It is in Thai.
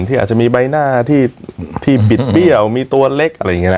ที่อาจจะมีใบหน้าที่บิดเบี้ยวมีตัวเล็กอะไรอย่างนี้แหละ